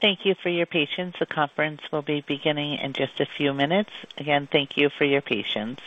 Thank you for your patience. The conference will be beginning in just a few minutes. Again, thank you for your patience.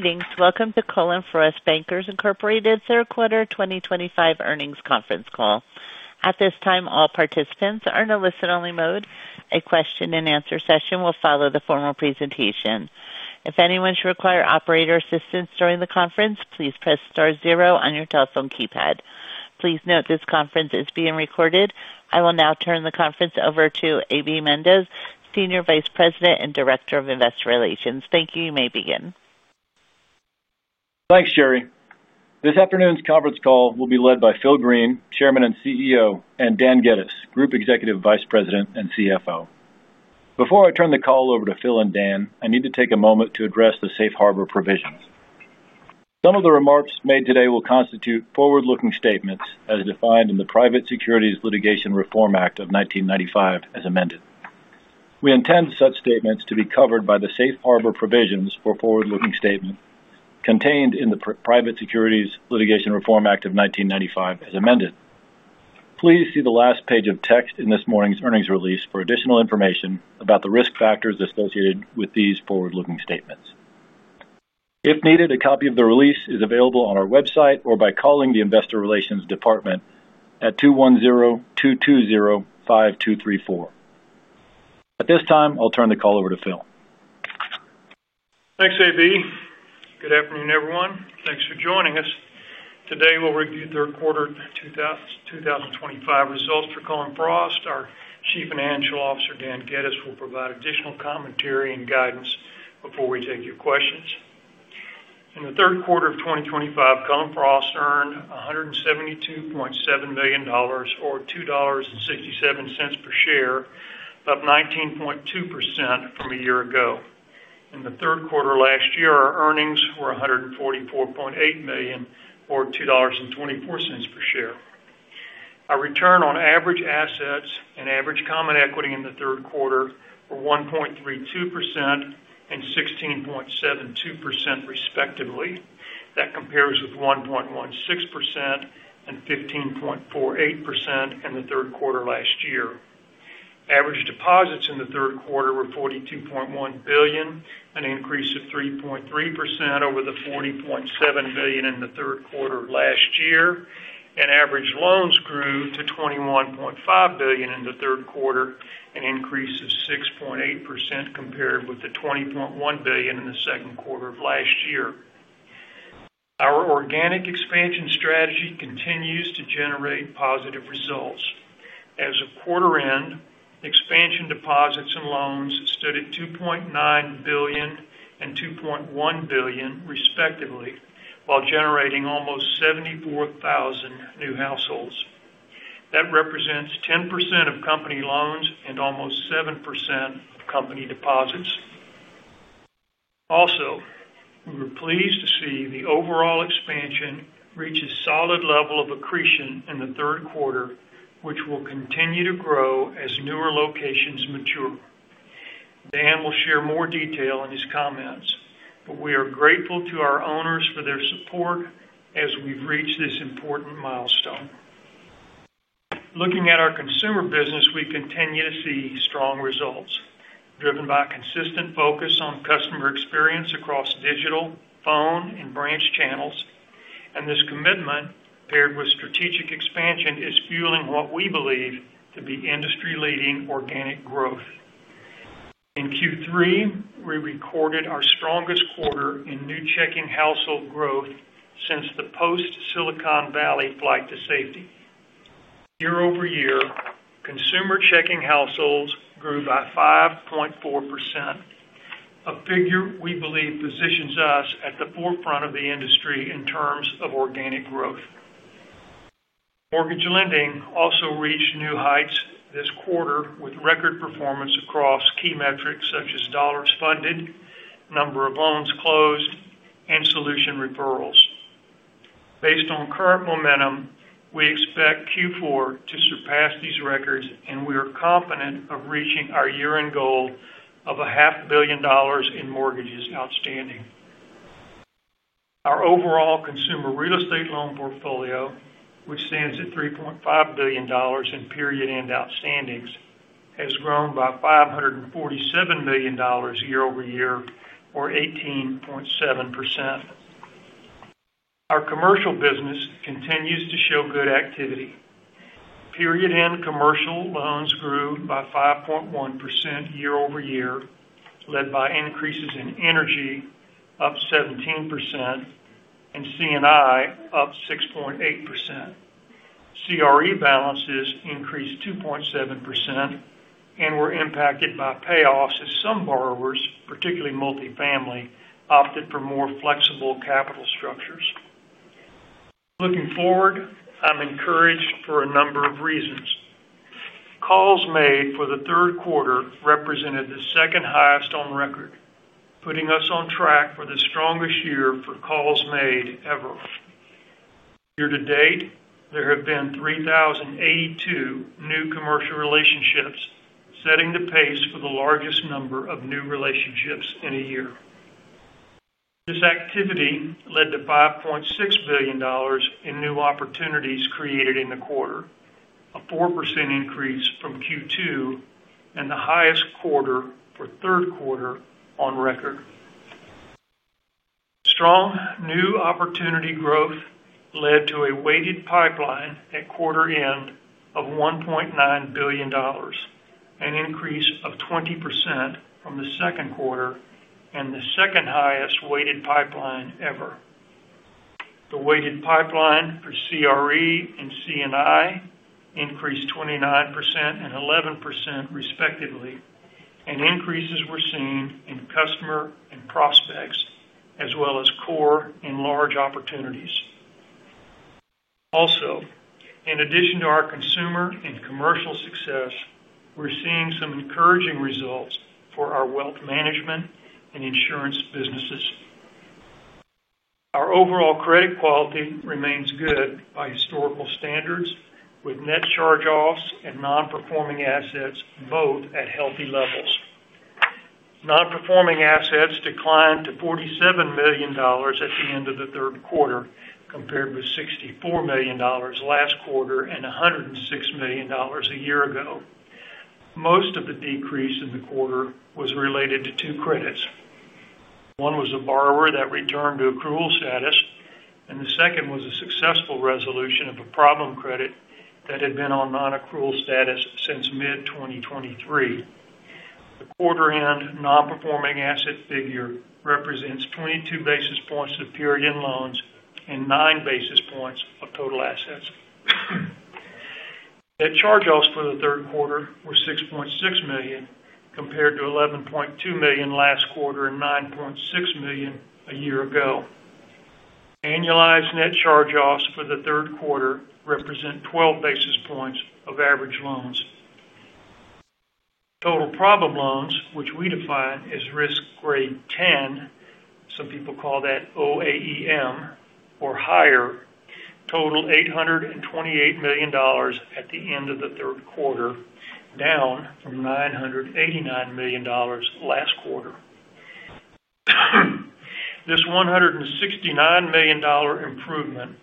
Greetings. Welcome to Cullen/Frost Bankers, Inc's third quarter 2025 earnings conference call. At this time, all participants are in a listen-only mode. A question-and-answer session will follow the formal presentation. If anyone should require operator assistance during the conference, please press star zero on your telephone keypad. Please note this conference is being recorded. I will now turn the conference over to AB Mendez, Senior Vice President and Director of Investor Relations. Thank you. You may begin. Thanks, Jerry. This afternoon's conference call will be led by Phil Green, Chairman and CEO, and Dan Geddes, Group Executive Vice President and CFO. Before I turn the call over to Phil and Dan, I need to take a moment to address the safe harbor provisions. Some of the remarks made today will constitute forward-looking statements as defined in the Private Securities Litigation Reform Act of 1995, as amended. We intend such statements to be covered by the safe harbor provisions for forward-looking statements contained in the Private Securities Litigation Reform Act of 1995, as amended. Please see the last page of text in this morning's earnings release for additional information about the risk factors associated with these forward-looking statements. If needed, a copy of the release is available on our website or by calling the Investor Relations Department at 210-220-5234. At this time, I'll turn the call over to Phil. Thanks, AB. Good afternoon, everyone. Thanks for joining us. Today, we'll review third quarter 2025 results for Cullen/Frost Bankers, Inc. Our Chief Financial Officer, Dan Geddes, will provide additional commentary and guidance before we take your questions. In the third quarter of 2025, Cullen/Frost Bankers, Inc. earned $172.7 million, or $2.67 per share, up 19.2% from a year ago. In the third quarter last year, our earnings were $144.8 million, or $2.24 per share. Our return on average assets and average common equity in the third quarter were 1.32% and 16.72%, respectively. That compares with 1.16% and 15.48% in the third quarter last year. Average deposits in the third quarter were $42.1 billion, an increase of 3.3% over the $40.7 billion in the third quarter last year, and average loans grew to $21.5 billion in the third quarter, an increase of 6.8% compared with the $20.1 billion in the second quarter of last year. Our organic expansion strategy continues to generate positive results. As of quarter end, expansion deposits and loans stood at $2.9 billion and $2.1 billion, respectively, while generating almost 74,000 new households. That represents 10% of company loans and almost 7% of company deposits. Also, we were pleased to see the overall expansion reach a solid level of accretion in the third quarter, which will continue to grow as newer locations mature. Dan will share more detail in his comments, but we are grateful to our owners for their support as we've reached this important milestone. Looking at our consumer business, we continue to see strong results, driven by consistent focus on customer experience across digital, phone, and branch channels, and this commitment, paired with strategic expansion, is fueling what we believe to be industry-leading organic growth. In Q3, we recorded our strongest quarter in new checking household growth since the post-Silicon Valley flight to safety. Year-over-year, consumer checking households grew by 5.4%. A figure we believe positions us at the forefront of the industry in terms of organic growth. Mortgage lending also reached new heights this quarter with record performance across key metrics such as dollars funded, number of loans closed, and solution referrals. Based on current momentum, we expect Q4 to surpass these records, and we are confident of reaching our year-end goal of $500 million in mortgages outstanding. Our overall consumer real estate loan portfolio, which stands at $3.5 billion in period-end outstandings, has grown by $547 million year-over-year, or 18.7%. Our commercial business continues to show good activity. Period-end commercial loans grew by 5.1% year-over-year, led by increases in energy, up 17%, and C&I, up 6.8%. CRE balances increased 2.7% and were impacted by payoffs as some borrowers, particularly multifamily, opted for more flexible capital structures. Looking forward, I'm encouraged for a number of reasons. Calls made for the third quarter represented the second highest on record, putting us on track for the strongest year for calls made ever. Year-to-date, there have been 3,082 new commercial relationships, setting the pace for the largest number of new relationships in a year. This activity led to $5.6 billion in new opportunities created in the quarter, a 4% increase from Q2 and the highest quarter for third quarter on record. Strong new opportunity growth led to a weighted pipeline at quarter end of $1.9 billion, an increase of 20% from the second quarter and the second highest weighted pipeline ever. The weighted pipeline for CRE and C&I increased 29% and 11%, respectively, and increases were seen in customer and prospects, as well as core and large opportunities. Also, in addition to our consumer and commercial success, we're seeing some encouraging results for our wealth management and insurance businesses. Our overall credit quality remains good by historical standards, with net charge-offs and non-performing assets both at healthy levels. Non-performing assets declined to $47 million at the end of the third quarter, compared with $64 million last quarter and $106 million a year ago. Most of the decrease in the quarter was related to two credits. One was a borrower that returned to accrual status, and the second was a successful resolution of a problem credit that had been on non-accrual status since mid-2023. The quarter-end non-performing asset figure represents 22 basis points of period-end loans and 9 basis points of total assets. Net charge-offs for the third quarter were $6.6 million, compared to $11.2 million last quarter and $9.6 million a year ago. Annualized net charge-offs for the third quarter represent 12 basis points of average loans. Total problem loans, which we define as risk grade 10, some people call that OAEM, or higher, totaled $828 million at the end of the third quarter, down from $989 million last quarter. This $169 million improvement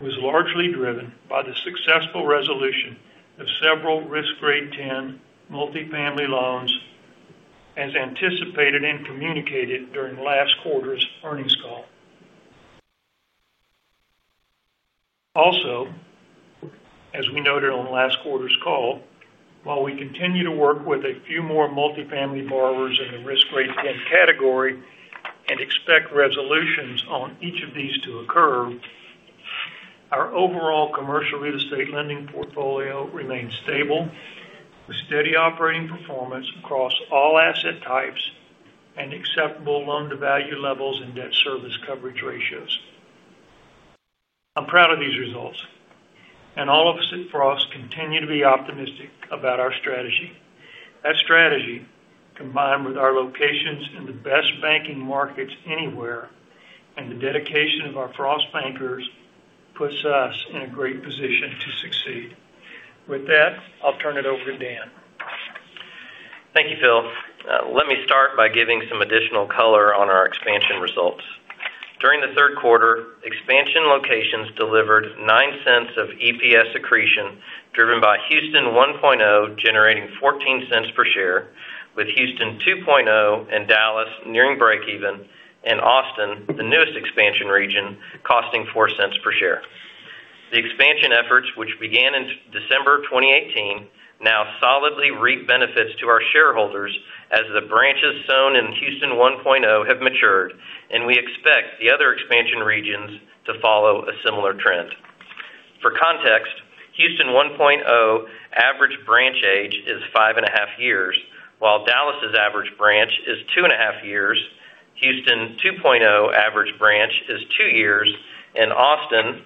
was largely driven by the successful resolution of several risk grade 10 multifamily loans, as anticipated and communicated during last quarter's earnings call. Also, as we noted on last quarter's call, while we continue to work with a few more multifamily borrowers in the risk grade 10 category and expect resolutions on each of these to occur, our overall commercial real estate lending portfolio remains stable, with steady operating performance across all asset types and acceptable loan-to-value levels and debt service coverage ratios. I'm proud of these results, and all of us at Frost continue to be optimistic about our strategy. That strategy, combined with our locations in the best banking markets anywhere and the dedication of our Frost Bankers, puts us in a great position to succeed. With that, I'll turn it over to Dan. Thank you, Phil. Let me start by giving some additional color on our expansion results. During the third quarter, expansion locations delivered $0.09 of EPS accretion driven by Houston 1.0, generating $0.14 per share, with Houston 2.0 and Dallas nearing breakeven, and Austin, the newest expansion region, costing $0.04 per share. The expansion efforts, which began in December 2018, now solidly reap benefits to our shareholders as the branches sewn in Houston 1.0 have matured, and we expect the other expansion regions to follow a similar trend. For context, Houston 1.0 average branch age is five and a half years, while Dallas's average branch is two and a half years, Houston 2.0 average branch is two years, and Austin,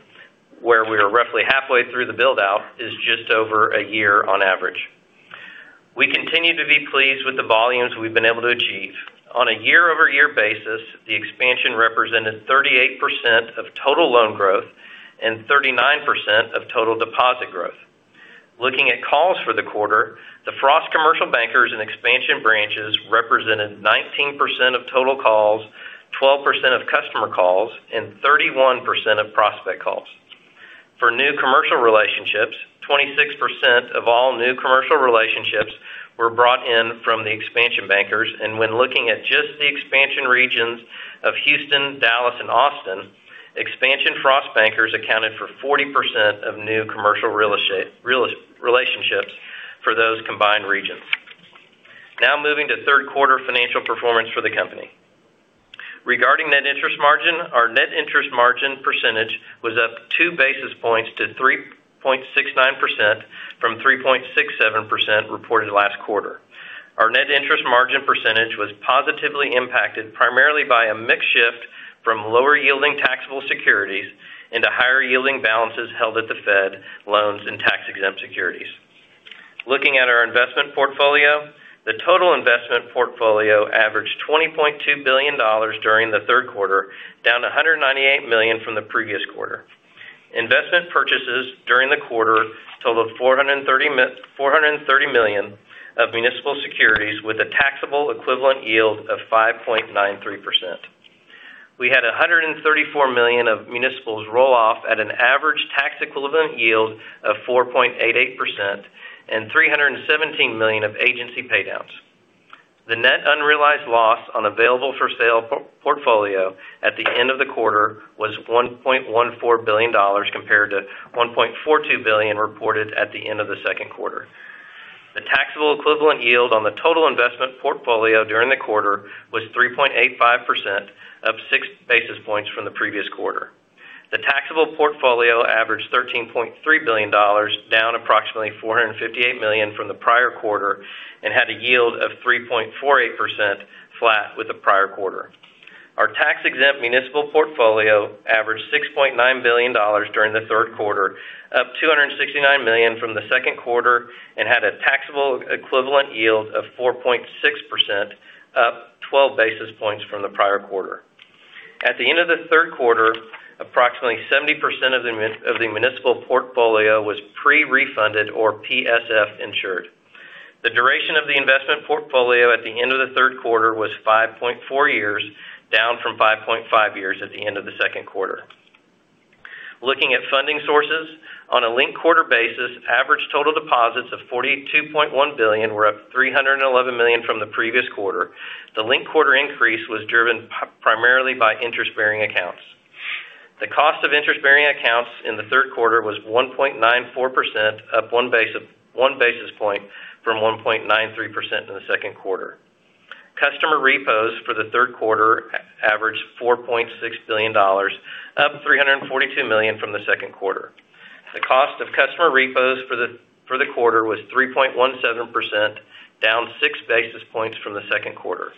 where we are roughly halfway through the build-out, is just over a year on average. We continue to be pleased with the volumes we've been able to achieve. On a year-over-year basis, the expansion represented 38% of total loan growth and 39% of total deposit growth. Looking at calls for the quarter, the Frost Commercial Bankers in expansion branches represented 19% of total calls, 12% of customer calls, and 31% of prospect calls. For new commercial relationships, 26% of all new commercial relationships were brought in from the expansion bankers, and when looking at just the expansion regions of Houston, Dallas, and Austin, expansion Frost Bankers accounted for 40% of new commercial relationships for those combined regions. Now moving to third quarter financial performance for the company. Regarding net interest margin, our net interest margin percentage was up two basis points to 3.69% from 3.67% reported last quarter. Our net interest margin percentage was positively impacted primarily by a mixed shift from lower-yielding taxable securities into higher-yielding balances held at the Fed, loans, and tax-exempt securities. Looking at our investment portfolio, the total investment portfolio averaged $20.2 billion during the third quarter, down $198 million from the previous quarter. Investment purchases during the quarter totaled $430 million of municipal securities with a taxable equivalent yield of 5.93%. We had $134 million of municipal roll-off at an average tax equivalent yield of 4.88% and $317 million of agency paydowns. The net unrealized loss on available-for-sale portfolio at the end of the quarter was $1.14 billion, compared to $1.42 billion reported at the end of the second quarter. The taxable equivalent yield on the total investment portfolio during the quarter was 3.85%, up six basis points from the previous quarter. The taxable portfolio averaged $13.3 billion, down approximately $458 million from the prior quarter, and had a yield of 3.48%, flat with the prior quarter. Our tax-exempt municipal portfolio averaged $6.9 billion during the third quarter, up $269 million from the second quarter, and had a taxable equivalent yield of 4.6%, up 12 basis points from the prior quarter. At the end of the third quarter, approximately 70% of the municipal portfolio was pre-refunded or PSF-insured. The duration of the investment portfolio at the end of the third quarter was 5.4 years, down from 5.5 years at the end of the second quarter. Looking at funding sources, on a link quarter basis, average total deposits of $42.1 billion were up $311 million from the previous quarter. The link quarter increase was driven primarily by interest-bearing accounts. The cost of interest-bearing accounts in the third quarter was 1.94%, up 1 basis point from 1.93% in the second quarter. Customer repos for the third quarter averaged $4.6 billion, up $342 million from the second quarter. The cost of customer repos for the quarter was 3.17%, down 6 basis points from the second quarter.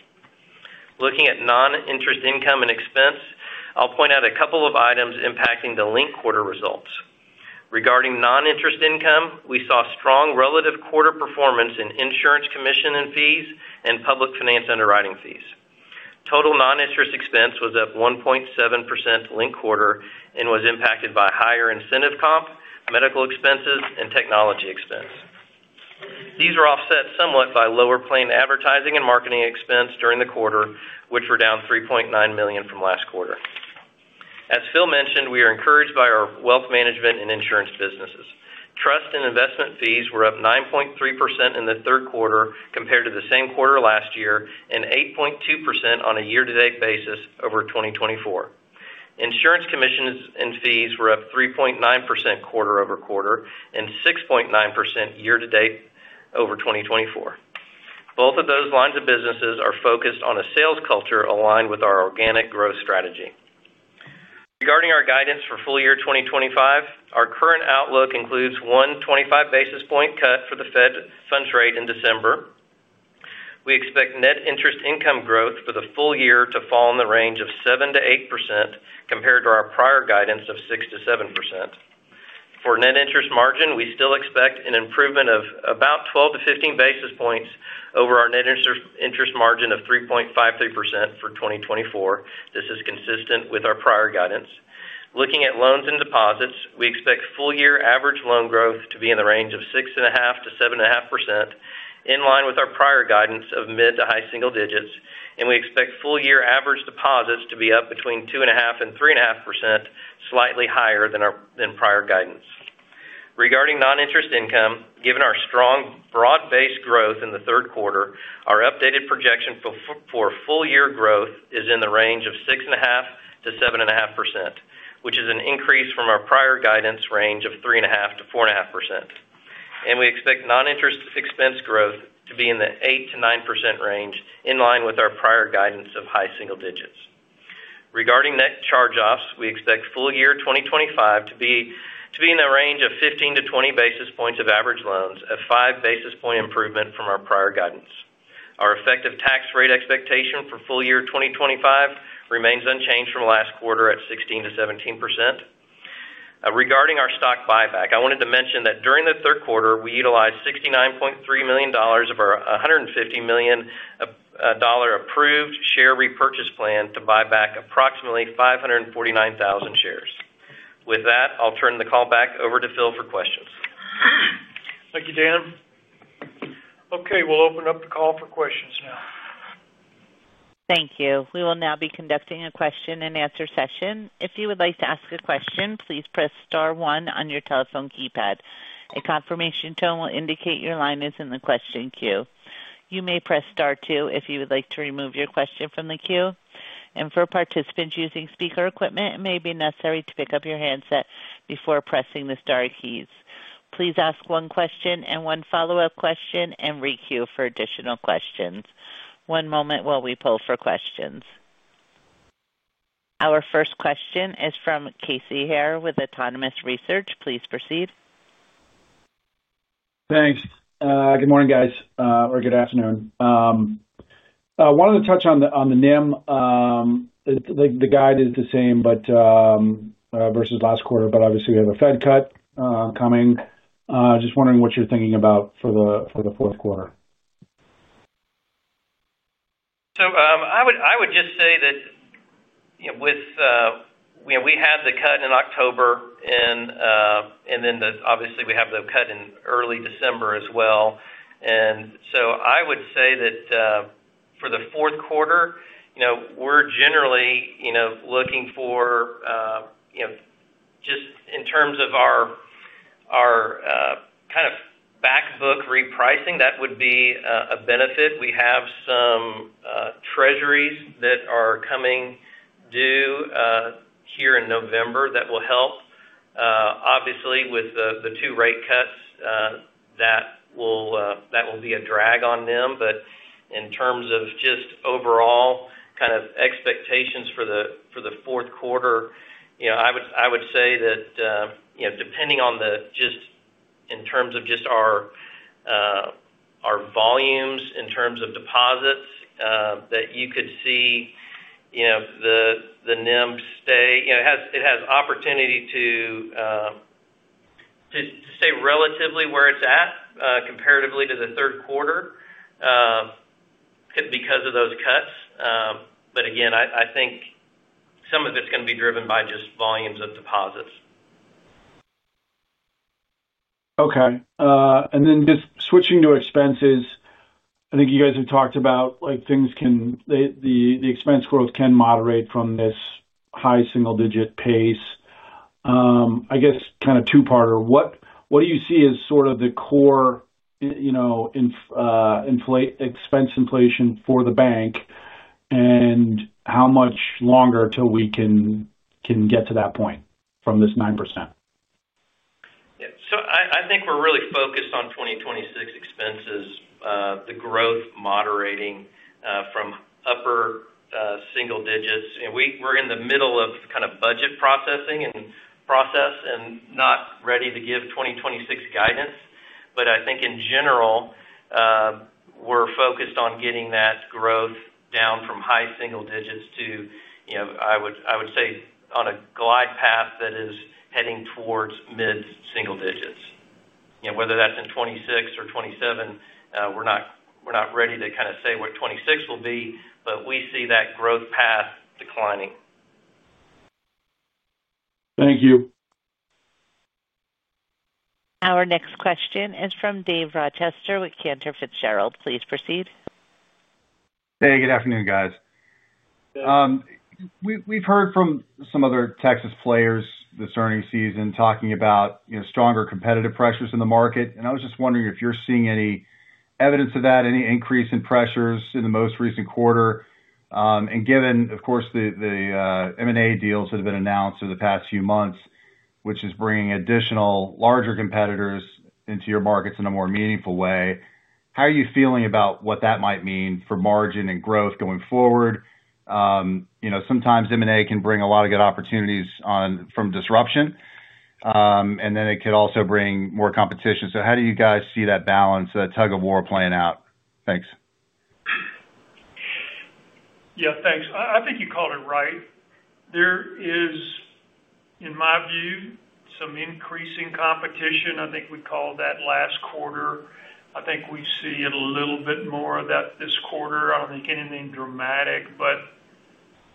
Looking at non-interest income and expense, I'll point out a couple of items impacting the link quarter results. Regarding non-interest income, we saw strong relative quarter performance in insurance commission and fees and public finance underwriting fees. Total non-interest expense was up 1.7% link quarter and was impacted by higher incentive comp, medical expenses, and technology expense. These were offset somewhat by lower plane advertising and marketing expense during the quarter, which were down $3.9 million from last quarter. As Phil mentioned, we are encouraged by our wealth management and insurance businesses. Trust and investment fees were up 9.3% in the third quarter compared to the same quarter last year and 8.2% on a year-to-date basis over 2024. Insurance commissions and fees were up 3.9% quarter-over-quarter and 6.9% year-to-date over 2024. Both of those lines of businesses are focused on a sales culture aligned with our organic growth strategy. Regarding our guidance for full year 2025, our current outlook includes one 25 basis point cut for the Fed funds rate in December. We expect net interest income growth for the full year to fall in the range of 7&-8% compared to our prior guidance of 6%-7%. For net interest margin, we still expect an improvement of about 12 to 15 basis points over our net interest margin of 3.53% for 2024. This is consistent with our prior guidance. Looking at loans and deposits, we expect full year average loan growth to be in the range of 6.5%-7.5%, in line with our prior guidance of mid to high single digits, and we expect full year average deposits to be up between 2.5 and 3.5%, slightly higher than prior guidance. Regarding non-interest income, given our strong broad-based growth in the third quarter, our updated projection for full year growth is in the range of 6.5%-7.5%, which is an increase from our prior guidance range of 3.5%-4.5%. We expect non-interest expense growth to be in the 8%-9% range, in line with our prior guidance of high single digits. Regarding net charge-offs, we expect full year 2025 to be in the range of 15 basis points-20 basis points of average loans, a 5 basis point improvement from our prior guidance. Our effective tax rate expectation for full year 2025 remains unchanged from last quarter at 16%-17%. Regarding our stock buyback, I wanted to mention that during the third quarter, we utilized $69.3 million of our $150 million approved share repurchase plan to buy back approximately 549,000 shares. With that, I'll turn the call back over to Phil for questions. Thank you, Dan. Okay, we'll open up the call for questions now. Thank you. We will now be conducting a question-and-answer session. If you would like to ask a question, please press star one on your telephone keypad. A confirmation tone will indicate your line is in the question queue. You may press star two if you would like to remove your question from the queue. For participants using speaker equipment, it may be necessary to pick up your handset before pressing the star keys. Please ask one question and one follow-up question and re-queue for additional questions. One moment while we poll for questions. Our first question is from Casey Haire with Autonomous Research. Please proceed. Thanks. Good morning, guys, or good afternoon. Wanted to touch on the NIM. The guide is the same versus last quarter, but obviously, we have a Fed cut coming. Just wondering what you're thinking about for the fourth quarter. I would just say that we had the cut in October, and we have the cut in early December as well. I would say that for the fourth quarter, we're generally looking for, just in terms of our kind of backbook repricing, that would be a benefit. We have some Treasuries that are coming due here in November that will help. Obviously, with the two rate cuts, that will be a drag on them. In terms of just overall kind of expectations for the fourth quarter, I would say that depending on just in terms of just our volumes, in terms of deposits, you could see the NIM stay. It has opportunity to stay relatively where it's at comparatively to the third quarter because of those cuts. I think some of it's going to be driven by just volumes of deposits. Okay. Just switching to expenses, I think you guys have talked about things. The expense growth can moderate from this high single-digit pace. I guess kind of two-parter, what do you see as sort of the core expense inflation for the bank, and how much longer till we can get to that point from this 9%? I think we're really focused on 2026 expenses, the growth moderating from upper single digits. We're in the middle of kind of budget processing and not ready to give 2026 guidance. I think in general, we're focused on getting that growth down from high single digits to, I would say, on a glide path that is heading towards mid-single digits. Whether that's in 2026 or 2027, we're not ready to kind of say what 2026 will be, but we see that growth path declining. Thank you. Our next question is from Dave Rochester with Cantor Fitzgerald. Please proceed. Hey, good afternoon, guys. We've heard from some other Texas players this earnings season talking about stronger competitive pressures in the market. I was just wondering if you're seeing any evidence of that, any increase in pressures in the most recent quarter. Given, of course, the M&A deals that have been announced over the past few months, which is bringing additional larger competitors into your markets in a more meaningful way, how are you feeling about what that might mean for margin and growth going forward? Sometimes M&A can bring a lot of good opportunities from disruption. It could also bring more competition. How do you guys see that balance, that tug-of-war playing out? Thanks. Yeah, thanks. I think you called it right. There is, in my view, some increasing competition. I think we called that last quarter. I think we see a little bit more of that this quarter. I don't think anything dramatic. To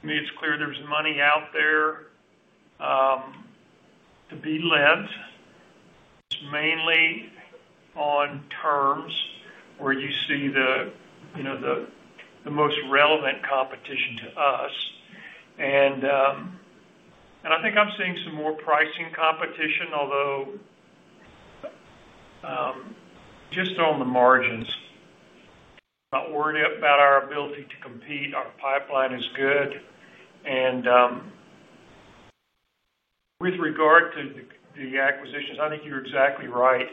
me, it's clear there's money out there to be lent, mainly on terms where you see the most relevant competition to us. I think I'm seeing some more pricing competition, although just on the margins. Not worried about our ability to compete. Our pipeline is good. With regard to the acquisitions, I think you're exactly right.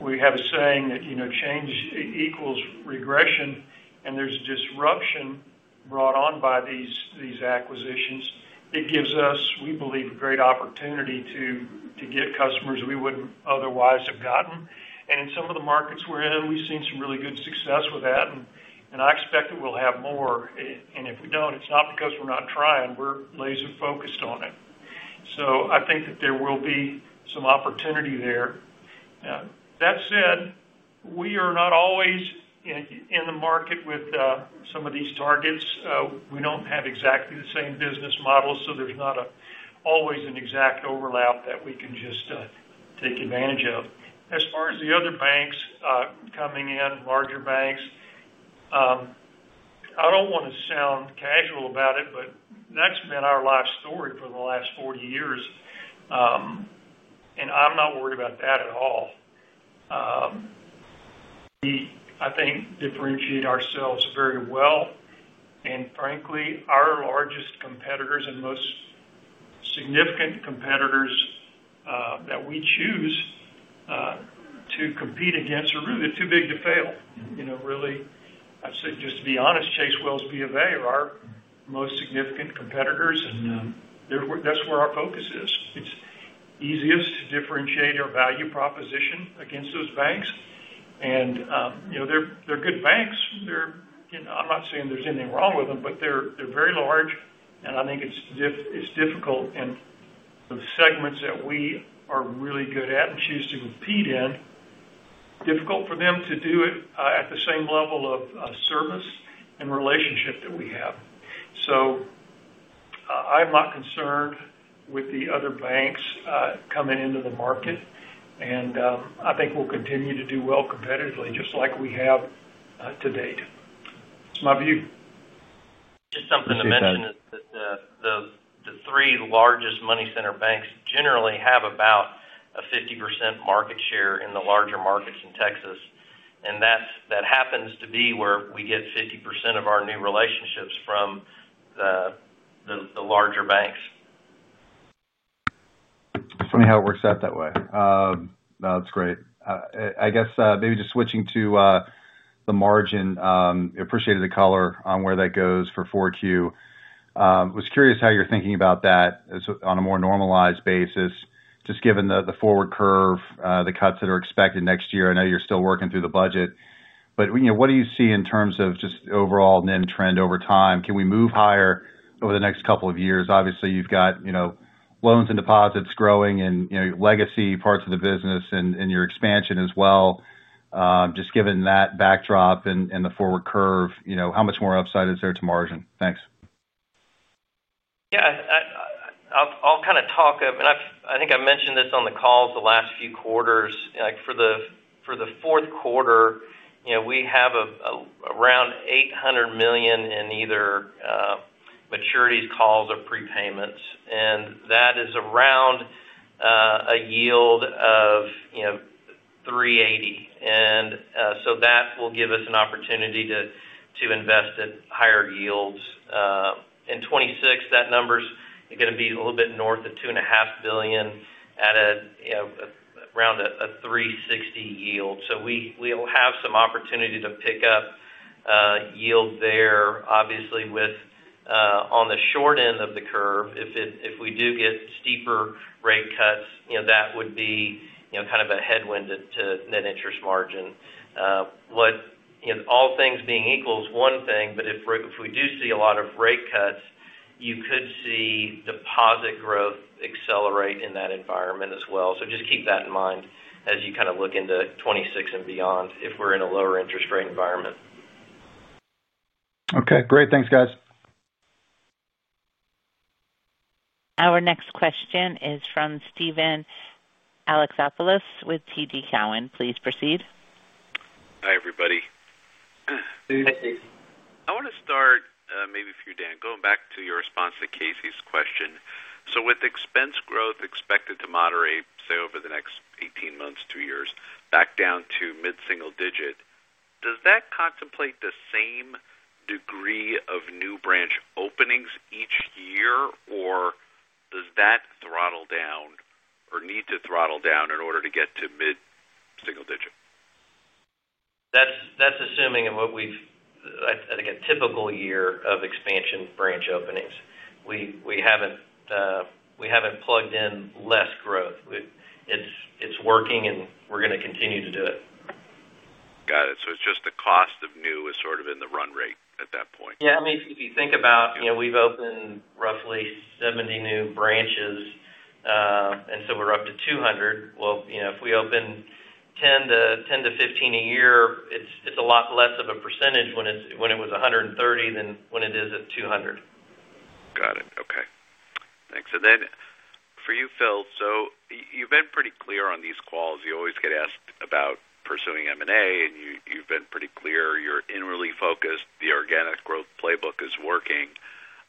We have a saying that change equals regression, and there's disruption brought on by these acquisitions. It gives us, we believe, a great opportunity to get customers we wouldn't otherwise have gotten. In some of the markets we're in, we've seen some really good success with that, and I expect that we'll have more. If we don't, it's not because we're not trying. We're laser-focused on it. I think that there will be some opportunity there. That said, we are not always in the market with some of these targets. We don't have exactly the same business models, so there's not always an exact overlap that we can just take advantage of. As far as the other banks coming in, larger banks, I don't want to sound casual about it, but that's been our life story for the last 40 years. I'm not worried about that at all. We, I think, differentiate ourselves very well. Frankly, our largest competitors and most significant competitors that we choose to compete against are really too big to fail. Really, I'd say just to be honest, Chase, Wells, BofA are our most significant competitors, and that's where our focus is. It's easiest to differentiate our value proposition against those banks. They're good banks. I'm not saying there's anything wrong with them, but they're very large, and I think it's difficult in the segments that we are really good at and choose to compete in. Difficult for them to do it at the same level of service and relationship that we have. I'm not concerned with the other banks coming into the market. I think we'll continue to do well competitively just like we have to date. It's my view. Just something to mention is that the three largest money center banks generally have about a 50% market share in the larger markets in Texas. That happens to be where we get 50% of our new relationships from, the larger banks. Funny how it works out that way. That's great. I guess maybe just switching to the margin, I appreciated the color on where that goes for 4Q. I was curious how you're thinking about that on a more normalized basis, just given the forward curve, the cuts that are expected next year. I know you're still working through the budget. What do you see in terms of just overall NIM trend over time? Can we move higher over the next couple of years? Obviously, you've got loans and deposits growing and legacy parts of the business and your expansion as well. Just given that backdrop and the forward curve, how much more upside is there to margin? Thanks. Yeah. I'll kind of talk. I think I mentioned this on the calls the last few quarters. For the fourth quarter, we have around $800 million in either maturities, calls, or prepayments. That is around a yield of 3.80%. That will give us an opportunity to invest at higher yields. In 2026, that number is going to be a little bit north of $2.5 billion at around a 3.60% yield. We'll have some opportunity to pick up yield there, obviously, on the short end of the curve. If we do get steeper rate cuts, that would be kind of a headwind to net interest margin. All things being equal is one thing, but if we do see a lot of rate cuts, you could see deposit growth accelerate in that environment as well. Just keep that in mind as you kind of look into 2026 and beyond if we're in a lower interest rate environment. Okay. Great. Thanks, guys. Our next question is from Steven Alexopoulos with TD Cowen. Please proceed. Hi, everybody. Hey, Casey. I want to start maybe for you, Dan, going back to your response to Casey's question. With expense growth expected to moderate, say, over the next 18 months, two years, back down to mid-single digit, does that contemplate the same degree of new branch openings each year, or does that throttle down or need to throttle down in order to get to mid-single digit? That's assuming what we've, I think, a typical year of expansion branch openings. We haven't plugged in less growth. It's working, and we're going to continue to do it. Got it. It's just the cost of new is sort of in the run rate at that point. Yeah. I mean, if you think about it, we've opened roughly 70 new branches, and we're up to 200. If we open 10-15 a year, it's a lot less of a percentage when it was 130 than when it is at 200. Got it. Okay. Thanks. For you, Phil, you've been pretty clear on these calls. You always get asked about pursuing M&A, and you've been pretty clear. You're inwardly focused. The organic growth playbook is working.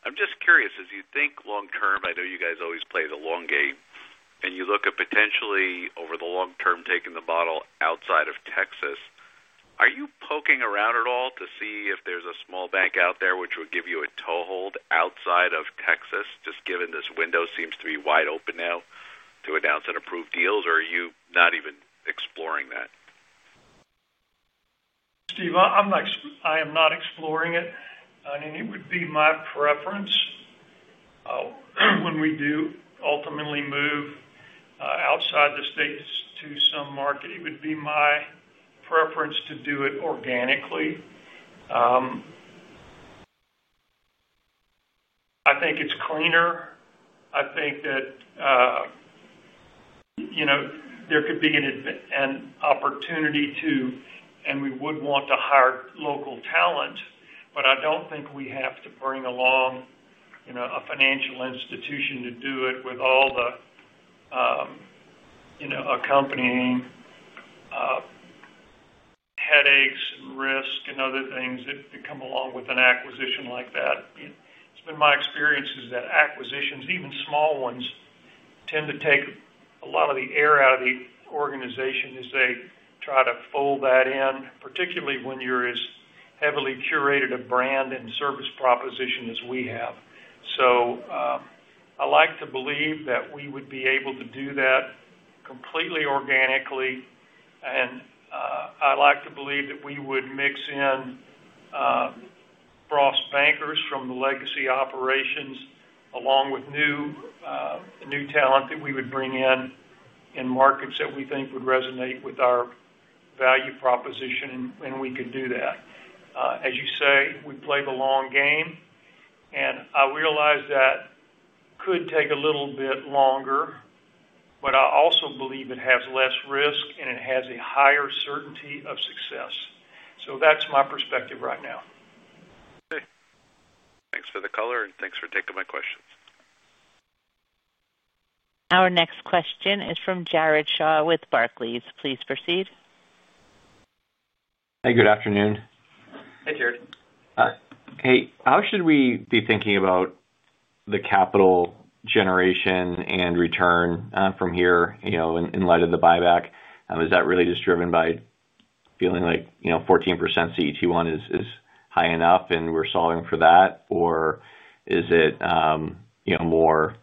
I'm just curious, as you think long-term, I know you guys always play the long game, and you look at potentially, over the long term, taking the model outside of Texas. Are you poking around at all to see if there's a small bank out there which would give you a toehold outside of Texas, just given this window seems to be wide open now to announce and approve deals, or are you not even exploring that? Steve, I am not exploring it. I mean, it would be my preference. When we do ultimately move outside the states to some market, it would be my preference to do it organically. I think it's cleaner. I think that there could be an opportunity to, and we would want to hire local talent. I don't think we have to bring along a financial institution to do it with all the accompanying headaches and risk and other things that come along with an acquisition like that. It's been my experience that acquisitions, even small ones, tend to take a lot of the air out of the organization as they try to fold that in, particularly when you're as heavily curated a brand and service proposition as we have. I like to believe that we would be able to do that completely organically. I like to believe that we would mix in Frost Bankers from the legacy operations along with new talent that we would bring in in markets that we think would resonate with our value proposition, and we could do that. As you say, we play the long game. I realize that could take a little bit longer, but I also believe it has less risk, and it has a higher certainty of success. That's my perspective right now. Thanks for the color, and thanks for taking my questions. Our next question is from Jared Shaw with Barclays. Please proceed. Hey, good afternoon. Hey, Jared. How should we be thinking about the capital generation and return from here in light of the buyback? Is that really just driven by feeling like 14% CET1 is high enough and we're solving for that, or is it more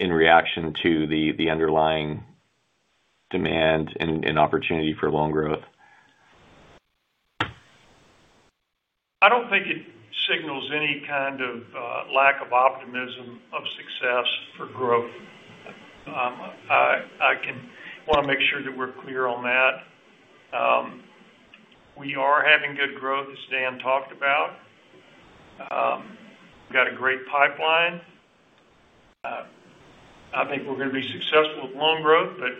in reaction to the underlying demand and opportunity for loan growth? I don't think it signals any kind of lack of optimism of success for growth. I want to make sure that we're clear on that. We are having good growth, as Dan talked about. We've got a great pipeline. I think we're going to be successful with loan growth, but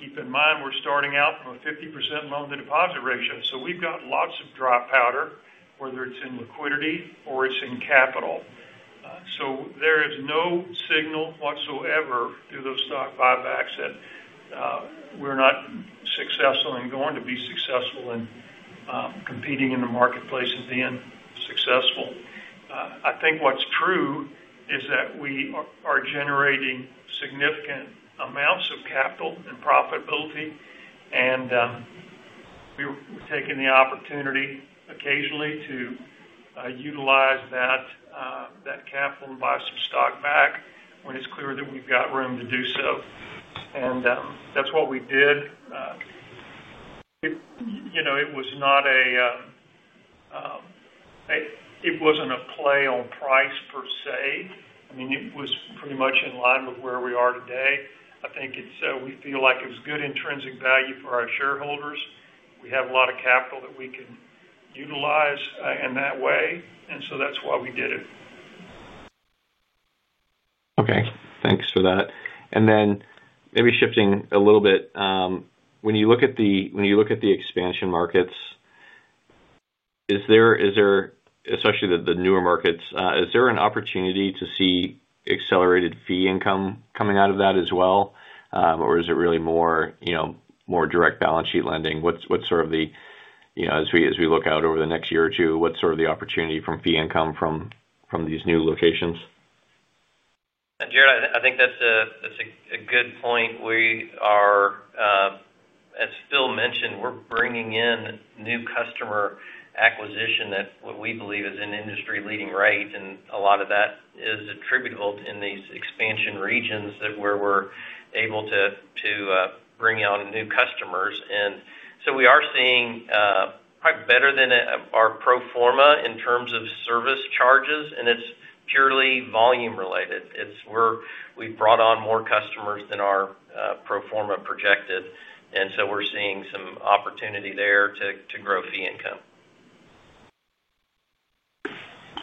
keep in mind we're starting out from a 50% loan-to-deposit ratio. We've got lots of dry powder, whether it's in liquidity or it's in capital. There is no signal whatsoever through those stock buybacks that we're not successful and going to be successful in competing in the marketplace and being successful. I think what's true is that we are generating significant amounts of capital and profitability. We're taking the opportunity occasionally to utilize that capital and buy some stock back when it's clear that we've got room to do so. That's what we did. It was not a play on price per se. I mean, it was pretty much in line with where we are today. I think we feel like it was good intrinsic value for our shareholders. We have a lot of capital that we can utilize in that way, and that's why we did it. Okay. Thanks for that. Maybe shifting a little bit, when you look at the expansion markets, especially the newer markets, is there an opportunity to see accelerated fee income coming out of that as well, or is it really more direct balance sheet lending? What's sort of the, as we look out over the next year or two, what's sort of the opportunity from fee income from these new locations? Jared, I think that's a good point. As Phil mentioned, we're bringing in new customer acquisition at what we believe is an industry-leading rate. A lot of that is attributable to these expansion regions where we're able to bring on new customers. We are seeing probably better than our pro forma in terms of service charges, and it's purely volume-related. We've brought on more customers than our pro forma projected, and we're seeing some opportunity there to grow fee income.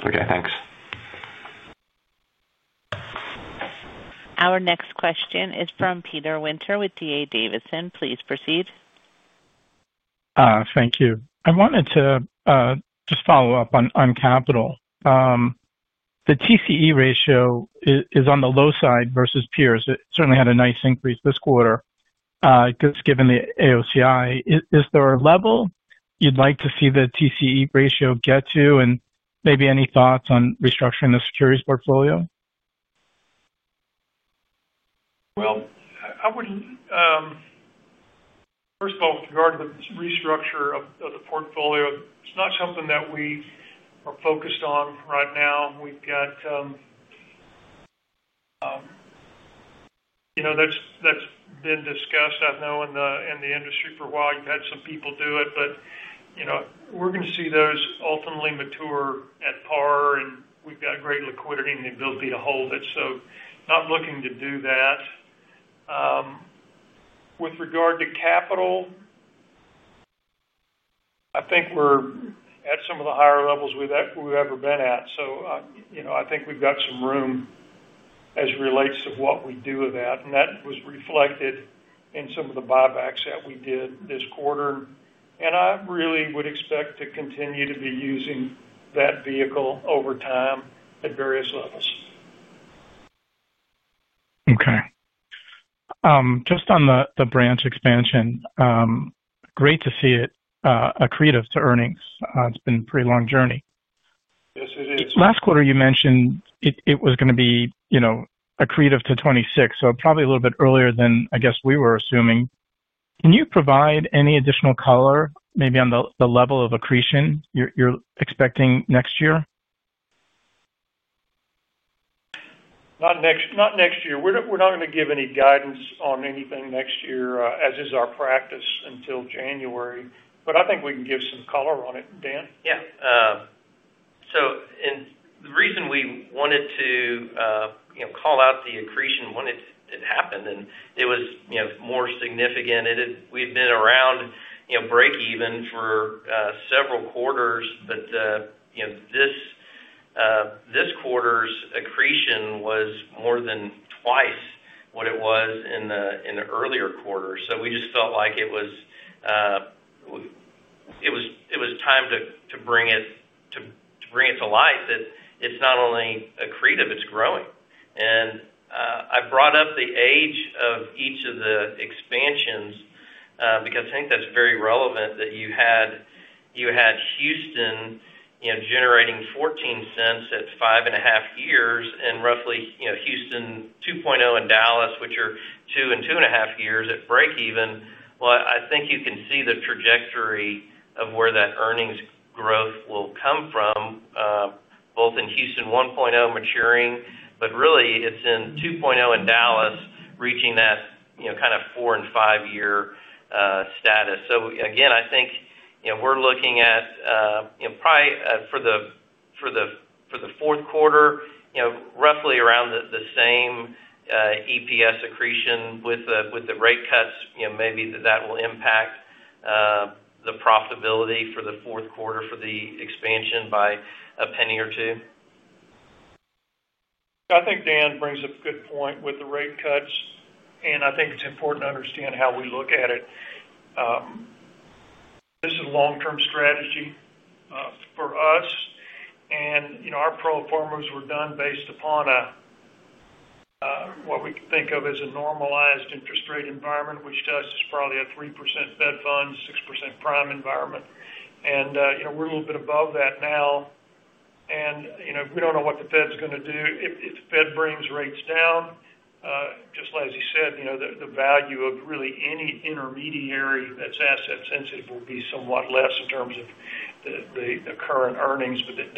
Okay. Thanks. Our next question is from Peter Winter with D.A. Davidson. Please proceed. Thank you. I wanted to just follow up on capital. The TCE ratio is on the low side versus peers. It certainly had a nice increase this quarter. Just given the AOCI, is there a level you'd like to see the TCE ratio get to, and maybe any thoughts on restructuring the securities portfolio? First of all, with regard to the restructure of the portfolio, it's not something that we are focused on right now. That's been discussed. I've known in the industry for a while. You've had some people do it, but we're going to see those ultimately mature at par, and we've got great liquidity and the ability to hold it. Not looking to do that. With regard to capital, I think we're at some of the higher levels we've ever been at. I think we've got some room as it relates to what we do with that. That was reflected in some of the buybacks that we did this quarter. I really would expect to continue to be using that vehicle over time at various levels. Okay. Just on the branch expansion, great to see it accretive to earnings. It's been a pretty long journey. Yes, it is. Last quarter, you mentioned it was going to be accretive to 2026, so probably a little bit earlier than I guess we were assuming. Can you provide any additional color, maybe on the level of accretion you're expecting next year? Not next year. We're not going to give any guidance on anything next year, as is our practice, until January. I think we can give some color on it, Dan. The reason we wanted to call out the accretion when it happened, and it was more significant. We've been around break-even for several quarters, but this quarter's accretion was more than twice what it was in the earlier quarter. We just felt like it was time to bring it to life, that it's not only accretive, it's growing. I brought up the age of each of the expansions because I think that's very relevant that you had Houston generating $0.14 at five and a half years and roughly Houston 2.0 and Dallas, which are two and two and a half years at break-even. I think you can see the trajectory of where that earnings growth will come from, both in Houston 1.0 maturing, but really, it's in 2.0 and Dallas reaching that kind of four and five-year status. I think we're looking at probably for the fourth quarter, roughly around the same EPS accretion. With the rate cuts, maybe that will impact the profitability for the fourth quarter for the expansion by a penny or two. I think Dan brings up a good point with the rate cuts, and I think it's important to understand how we look at it. This is a long-term strategy for us. Our pro formas were done based upon what we think of as a normalized interest rate environment, which to us is probably a 3% Fed fund, 6% prime environment. We're a little bit above that now, and we don't know what the Fed's going to do. If the Fed brings rates down, just like you said, the value of really any intermediary that's asset-sensitive will be somewhat less in terms of the current earnings. It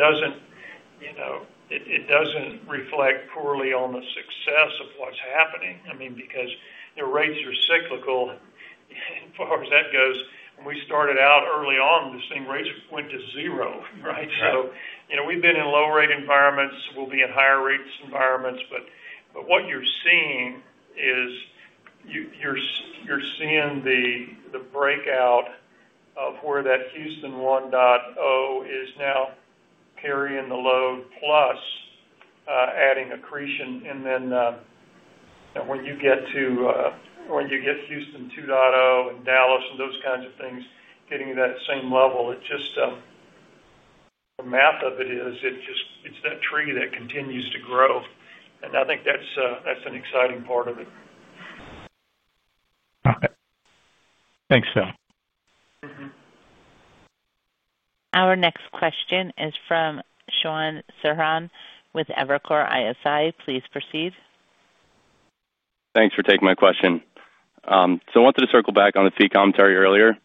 doesn't reflect poorly on the success of what's happening, because rates are cyclical. As far as that goes, when we started out early on, this thing, rates went to zero, right? We've been in low-rate environments. We'll be in higher-rate environments. What you're seeing is the breakout of where that Houston 1.0 is now carrying the load plus adding accretion. When you get Houston 2.0 and Dallas and those kinds of things getting to that same level, the math of it is it's that tree that continues to grow. I think that's an exciting part of it. Okay. Thanks, Phil. Our next question is from Sean Serhan with Evercore ISI. Please proceed. Thanks for taking my question. I wanted to circle back on the fee commentary earlier.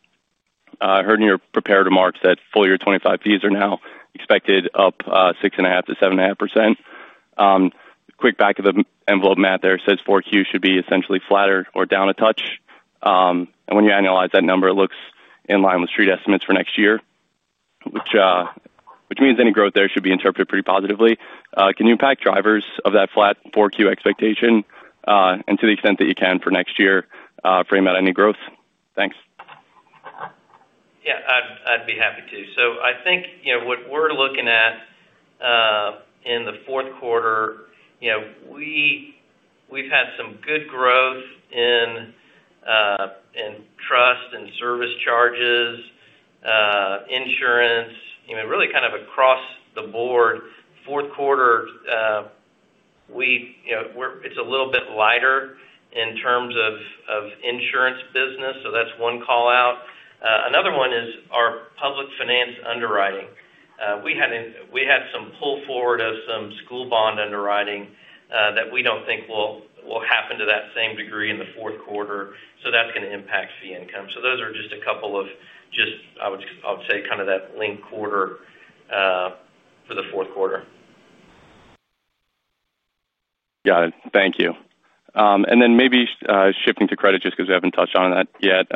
I heard in your prepared remarks that full year 2025 fees are now expected up 6.5%-7.5%. Quick back of the envelope math there says 4Q should be essentially flatter or down a touch. When you analyze that number, it looks in line with street estimates for next year, which means any growth there should be interpreted pretty positively. Can you impact drivers of that flat 4Q expectation? To the extent that you can for next year, frame out any growth. Thanks. Yeah. I'd be happy to. I think what we're looking at in the fourth quarter, we've had some good growth in trust and service charges, insurance, really kind of across the board. The fourth quarter is a little bit lighter in terms of insurance business, that's one callout. Another one is our public finance underwriting. We had some pull forward of some school bond underwriting that we don't think will happen to that same degree in the fourth quarter, that's going to impact fee income. Those are just a couple of, I would say, kind of that link quarter for the fourth quarter. Got it. Thank you. Maybe shifting to credit just because we haven't touched on that yet.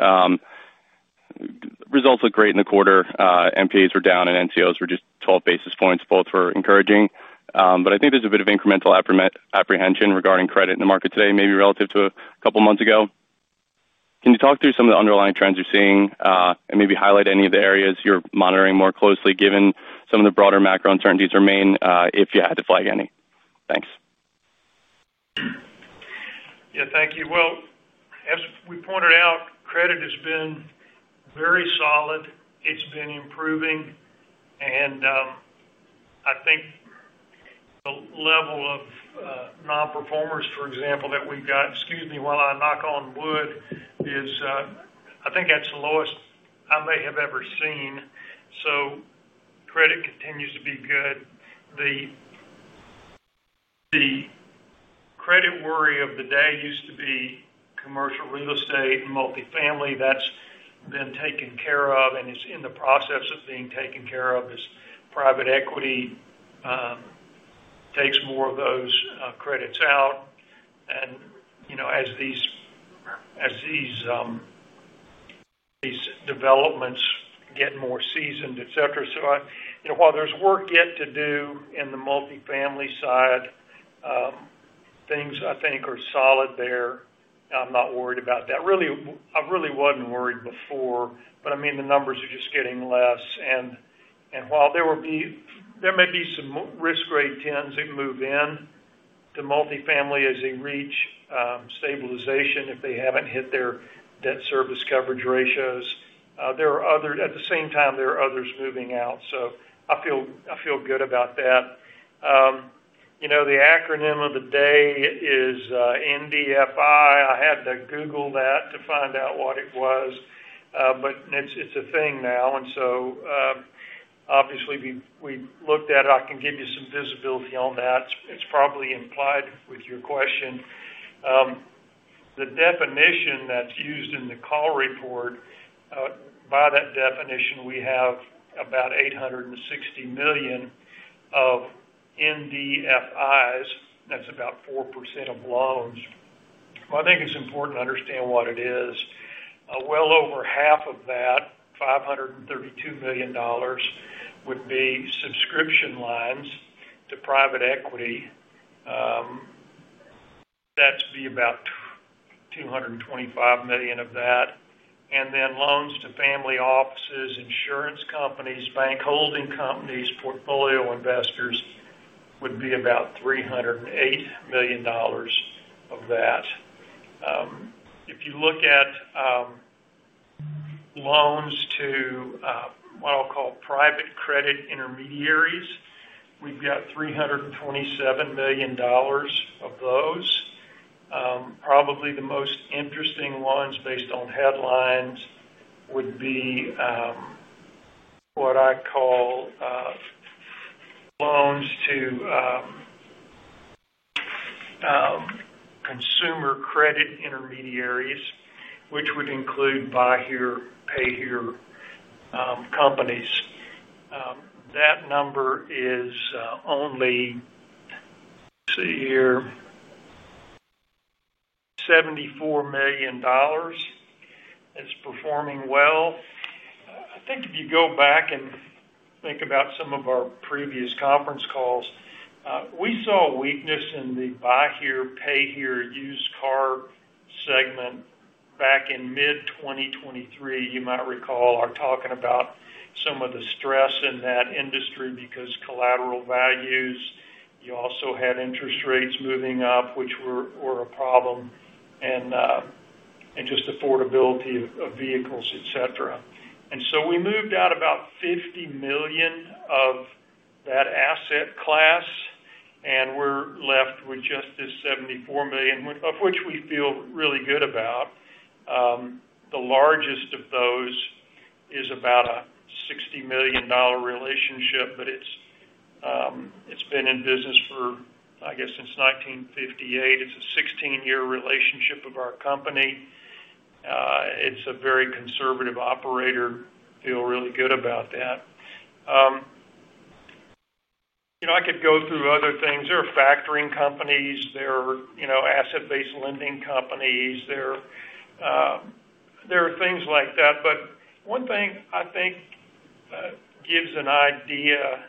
Results look great in the quarter. Non-performing assets were down, and net charge-offs were just 12 basis points. Both were encouraging. I think there's a bit of incremental apprehension regarding credit in the market today, maybe relative to a couple of months ago. Can you talk through some of the underlying trends you're seeing and maybe highlight any of the areas you're monitoring more closely given some of the broader macro uncertainties remain if you had to flag any? Thanks. Thank you. As we pointed out, credit has been very solid. It's been improving. I think the level of non-performers, for example, that we've got—excuse me while I knock on wood—is the lowest I may have ever seen. Credit continues to be good. The credit worry of the day used to be commercial real estate and multifamily. That's been taken care of, and it's in the process of being taken care of as private equity takes more of those credits out. As these developments get more seasoned, etc., while there's work yet to do in the multifamily side, things I think are solid there. I'm not worried about that. I really wasn't worried before, but the numbers are just getting less. While there may be some risk-grade tends that move in to multifamily as they reach stabilization if they haven't hit their debt service coverage ratios, at the same time, there are others moving out. I feel good about that. The acronym of the day is NDFI. I had to Google that to find out what it was. It's a thing now. Obviously, we looked at it. I can give you some visibility on that. It's probably implied with your question. The definition that's used in the call report, by that definition, we have about $860 million of NDFIs. That's about 4% of loans. I think it's important to understand what it is. Well over half of that, $532 million, would be subscription lines to private equity. That would be about $225 million of that. Loans to family offices, insurance companies, bank holding companies, portfolio investors would be about $308 million of that. If you look at loans to what I'll call private credit intermediaries, we've got $327 million of those. Probably the most interesting ones based on headlines would be what I call loans to consumer credit intermediaries, which would include Buy Here, Pay Here companies. That number is only, let's see here, $74 million. It's performing well. I think if you go back and think about some of our previous conference calls, we saw weakness in the Buy Here, Pay Here, used car segment back in mid-2023. You might recall our talking about some of the stress in that industry because of collateral values, you also had interest rates moving up, which were a problem, and just affordability of vehicles, etc. We moved out about $50 million of that asset class, and we're left with just this $74 million, of which we feel really good about. The largest of those is about a $60 million relationship, but it's been in business for, I guess, since 1958. It's a 16-year relationship of our company. It's a very conservative operator. I feel really good about that. I could go through other things. There are factoring companies. There are asset-based lending companies. There are things like that. One thing I think gives an idea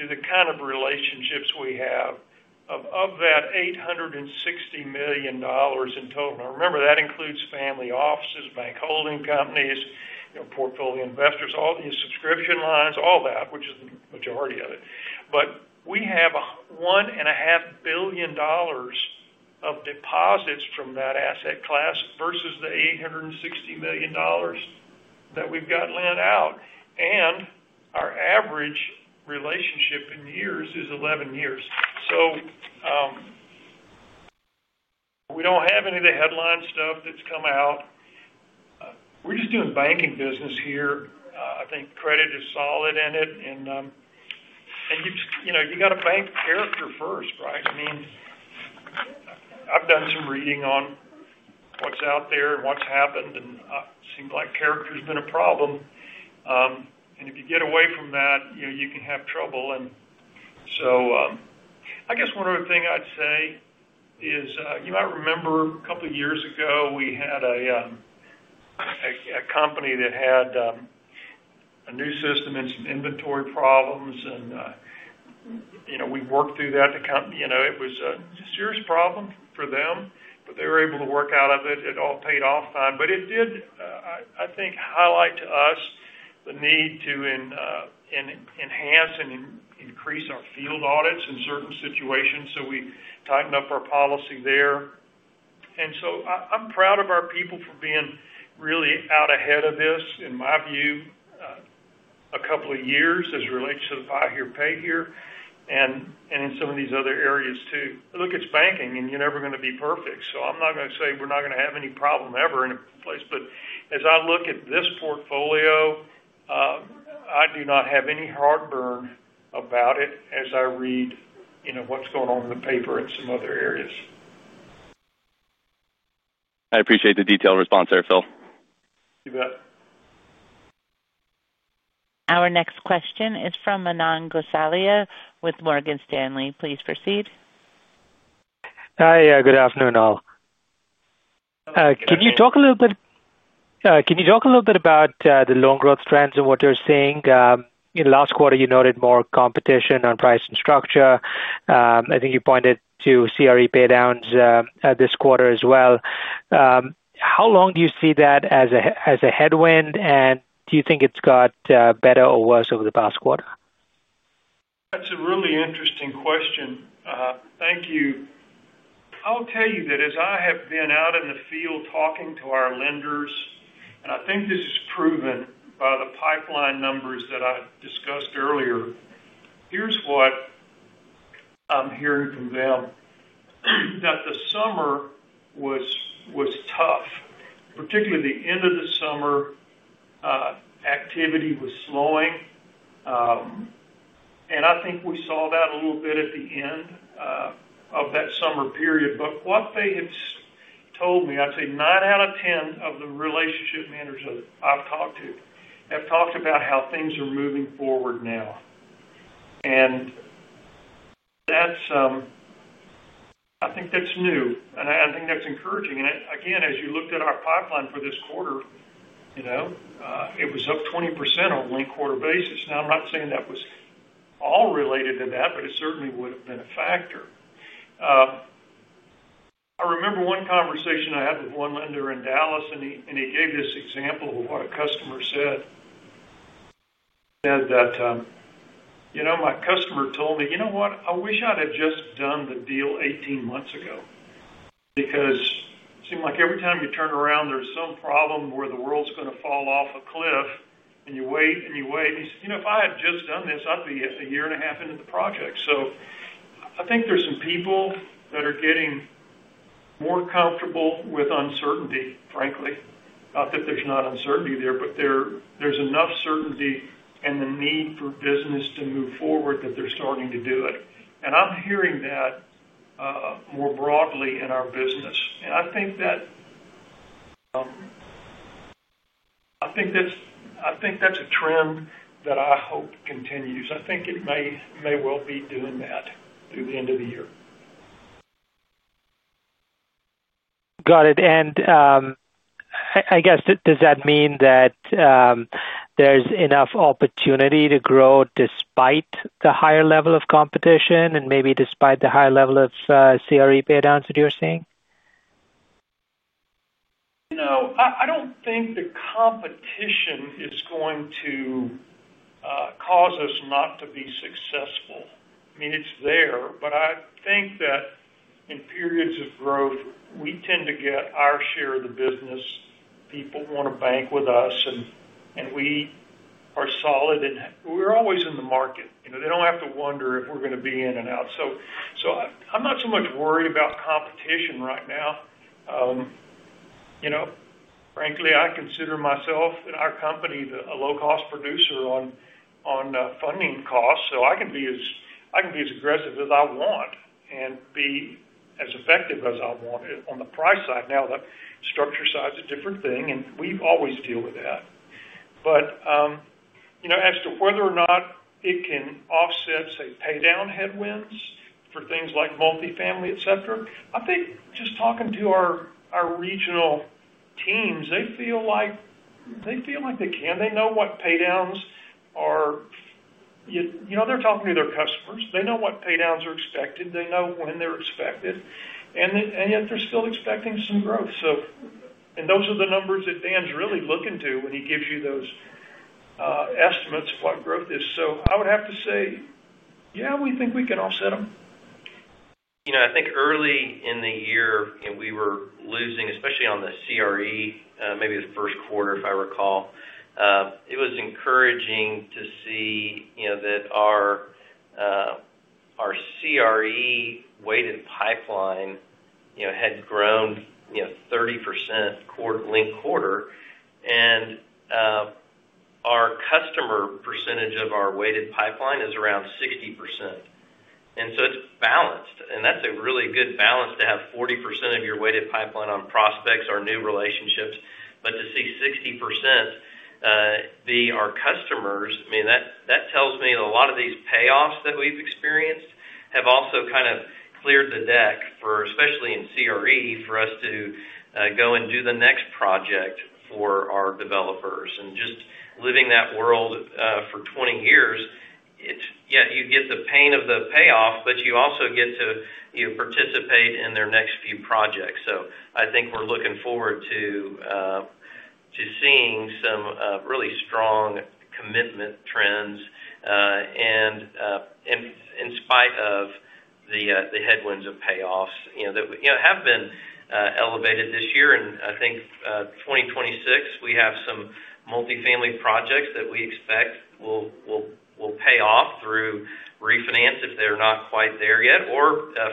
to the kind of relationships we have of that $860 million in total. Now, remember, that includes family offices, bank holding companies, portfolio investors, all these subscription lines, all that, which is the majority of it. We have $1.5 billion of deposits from that asset class versus the $860 million that we've got lent out. Our average relationship in years is 11 years. We don't have any of the headline stuff that's come out. We're just doing banking business here. I think credit is solid in it. You got to bank character first, right? I mean, I've done some reading on what's out there and what's happened, and it seems like character's been a problem. If you get away from that, you can have trouble. I guess one other thing I'd say is you might remember a couple of years ago, we had a company that had a new system and some inventory problems. We worked through that. It was a serious problem for them, but they were able to work out of it. It all paid off fine. It did, I think, highlight to us the need to enhance and increase our field audits in certain situations. We tightened up our policy there. I'm proud of our people for being really out ahead of this, in my view, a couple of years as it relates to the Buy Here, Pay Here, and in some of these other areas too. Look, it's banking, and you're never going to be perfect. I'm not going to say we're not going to have any problem ever in a place. As I look at this portfolio, I do not have any heartburn about it as I read what's going on in the paper in some other areas. I appreciate the detailed response there, Phil. You bet. Our next question is from Manan Gosalia with Morgan Stanley. Please proceed. Hi. Good afternoon, all. Can you talk a little bit about the loan growth trends and what you're seeing? In the last quarter, you noted more competition on price and structure. I think you pointed to commercial real estate paydowns this quarter as well. How long do you see that as a headwind, and do you think it's got better or worse over the past quarter? That's a really interesting question. Thank you. I'll tell you that as I have been out in the field talking to our lenders, and I think this is proven by the pipeline numbers that I discussed earlier, here's what I'm hearing from them. The summer was tough, particularly the end of the summer. Activity was slowing. I think we saw that a little bit at the end of that summer period. What they have told me, I'd say 9/10 of the relationship managers I've talked to have talked about how things are moving forward now. I think that's new, and I think that's encouraging. Again, as you looked at our pipeline for this quarter, it was up 20% on a link quarter basis. I'm not saying that was all related to that, but it certainly would have been a factor. I remember one conversation I had with one lender in Dallas, and he gave this example of what a customer said. He said that, "My customer told me, 'You know what? I wish I'd have just done the deal 18 months ago.' Because it seemed like every time you turn around, there's some problem where the world's going to fall off a cliff, and you wait and you wait." He said, "If I had just done this, I'd be a year and a half into the project." I think there's some people that are getting more comfortable with uncertainty, frankly. Not that there's not uncertainty there, but there's enough certainty and the need for business to move forward that they're starting to do it. I'm hearing that more broadly in our business, and I think that. I think that's a trend that I hope continues. I think it may well be doing that through the end of the year. Got it. I guess, does that mean that there's enough opportunity to grow despite the higher level of competition and maybe despite the higher level of commercial real estate paydowns that you're seeing? I don't think the competition is going to cause us not to be successful. I mean, it's there, but I think that in periods of growth, we tend to get our share of the business. People want to bank with us, and we are solid, and we're always in the market. They don't have to wonder if we're going to be in and out. I'm not so much worried about competition right now. Frankly, I consider myself and our company a low-cost producer on funding costs. I can be as aggressive as I want and be as effective as I want on the price side. The structure side is a different thing, and we always deal with that. As to whether or not it can offset, say, paydown headwinds for things like multifamily, etc., I think just talking to our regional teams, they feel like they can. They know what paydowns are. They're talking to their customers. They know what paydowns are expected. They know when they're expected. Yet they're still expecting some growth, and those are the numbers that Dan's really looking to when he gives you those estimates of what growth is. I would have to say, "Yeah, we think we can offset them. I think early in the year, we were losing, especially on the commercial real estate loans, maybe the first quarter, if I recall. It was encouraging to see that our commercial real estate loans weighted pipeline had grown 30% link quarter. Our customer percentage of our weighted pipeline is around 60%, so it's balanced. That's a really good balance to have 40% of your weighted pipeline on prospects or new relationships. To see 60% be our customers, that tells me a lot of these payoffs that we've experienced have also kind of cleared the deck, especially in commercial real estate loans, for us to go and do the next project for our developers. Just living that world for 20 years, you get the pain of the payoff, but you also get to participate in their next few projects. I think we're looking forward to seeing some really strong commitment trends. In spite of the headwinds of payoffs that have been elevated this year, I think 2026, we have some multifamily projects that we expect will pay off through refinance if they're not quite there yet.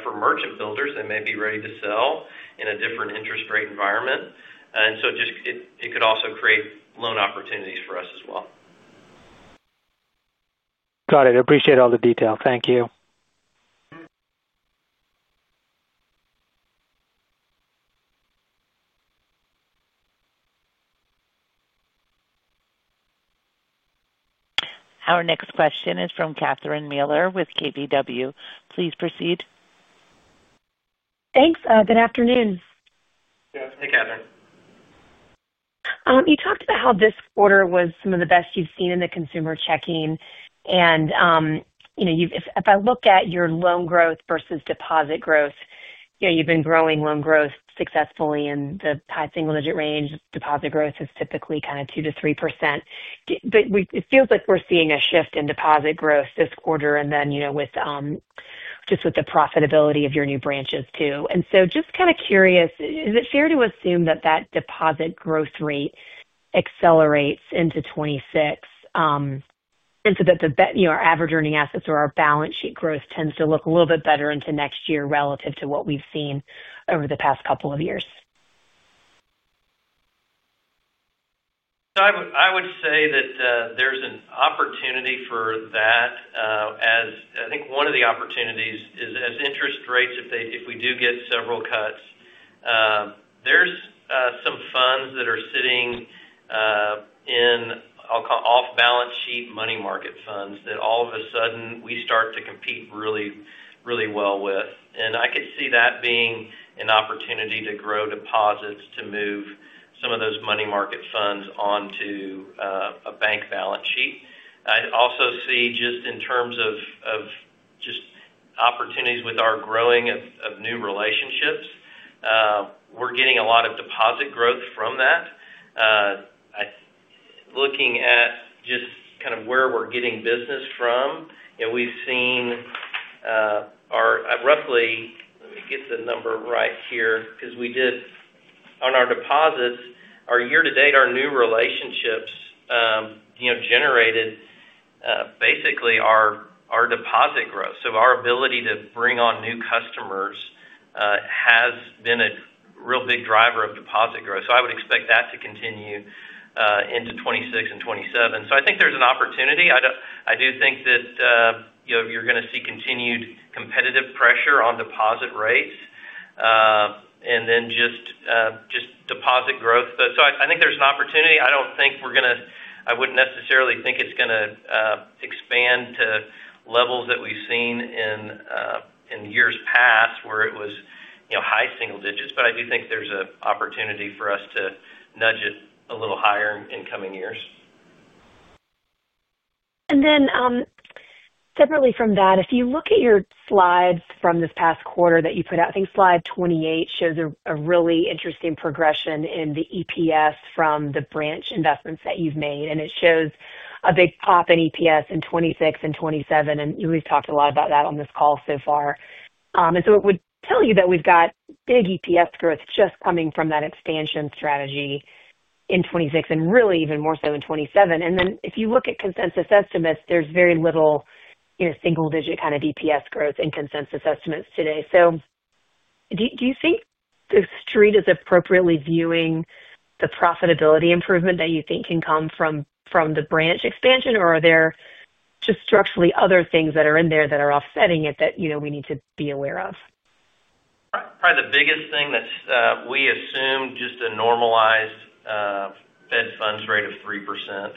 For merchant builders, they may be ready to sell in a different interest rate environment. It could also create loan opportunities for us as well. Got it. Appreciate all the detail. Thank you. Our next question is from Catherine Mealor with KBW. Please proceed. Thanks. Good afternoon. Hey, Catherine. You talked about how this quarter was some of the best you've seen in the consumer checking. If I look at your loan growth versus deposit growth, you've been growing loan growth successfully in the high single-digit range. Deposit growth is typically kind of 2%-3%. It feels like we're seeing a shift in deposit growth this quarter. Just with the profitability of your new branches too, I'm just kind of curious, is it fair to assume that that deposit growth rate accelerates into 2026, and that our average earning assets or our balance sheet growth tends to look a little bit better into next year relative to what we've seen over the past couple of years? I would say that there's an opportunity for that. I think one of the opportunities is as interest rates, if we do get several cuts, there's some funds that are sitting in, I'll call, off-balance sheet money market funds that all of a sudden we start to compete really, really well with. I could see that being an opportunity to grow deposits, to move some of those money market funds onto a bank balance sheet. I also see just in terms of opportunities with our growing of new relationships, we're getting a lot of deposit growth from that. Looking at just kind of where we're getting business from, we've seen our roughly let me get the number right here because we did. On our deposits, our year-to-date, our new relationships generated basically our deposit growth. Our ability to bring on new customers has been a real big driver of deposit growth. I would expect that to continue into 2026 and 2027. I think there's an opportunity. I do think that you're going to see continued competitive pressure on deposit rates, and then just deposit growth. I think there's an opportunity. I don't think we're going to, I wouldn't necessarily think it's going to expand to levels that we've seen in years past where it was high single digits, but I do think there's an opportunity for us to nudge it a little higher in coming years. Separately from that, if you look at your slides from this past quarter that you put out, I think slide 28 shows a really interesting progression in the EPS from the branch investments that you've made. It shows a big pop in EPS in 2026 and 2027. We've talked a lot about that on this call so far. It would tell you that we've got big EPS growth just coming from that expansion strategy in 2026 and really even more so in 2027. If you look at consensus estimates, there's very little, single-digit kind of EPS growth in consensus estimates today. Do you think the street is appropriately viewing the profitability improvement that you think can come from the branch expansion, or are there just structurally other things that are in there that are offsetting it that we need to be aware of? Probably the biggest thing that we assume is just a normalized Fed funds rate of 3%.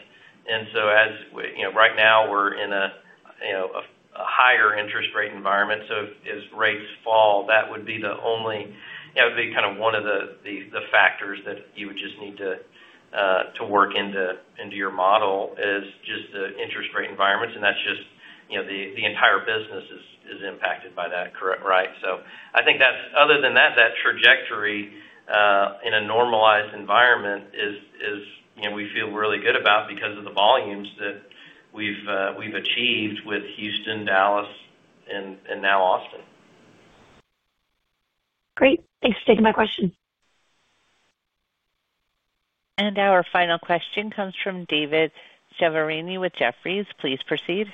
Right now, we're in a higher interest rate environment. As rates fall, that would be one of the factors that you would just need to work into your model, just the interest rate environment. The entire business is impacted by that, right? I think other than that, that trajectory in a normalized environment is, we feel really good about because of the volumes that we've achieved with Houston, Dallas, and now Austin. Great. Thanks for taking my question. Our final question comes from David Chiaverini with Jefferies. Please proceed.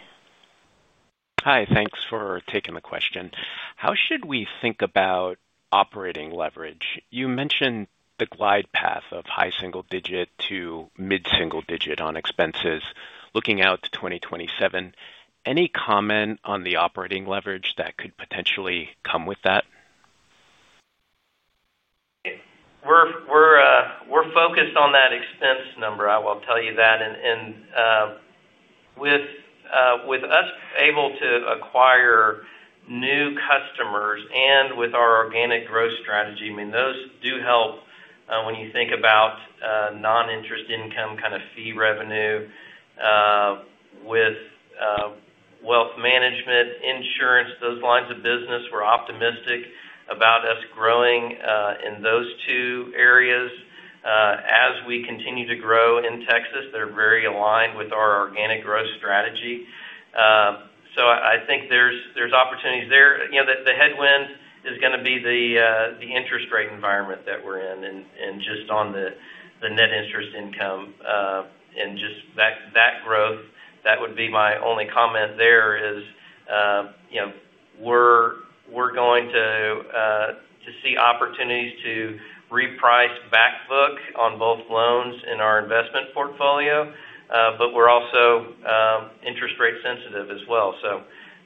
Hi. Thanks for taking the question. How should we think about operating leverage? You mentioned the glide path of high single digit to mid-single digit on expenses looking out to 2027. Any comment on the operating leverage that could potentially come with that? We're focused on that expense number. I will tell you that. With us able to acquire new customers and with our organic growth strategy, I mean, those do help when you think about non-interest income, kind of fee revenue, with wealth management, insurance, those lines of business. We're optimistic about us growing in those two areas. As we continue to grow in Texas, they're very aligned with our organic growth strategy. I think there's opportunities there. The headwind is going to be the interest rate environment that we're in and just on the net interest income. Just that growth, that would be my only comment there. We're going to see opportunities to reprice backbook on both loans in our investment portfolio. We're also interest rate sensitive as well.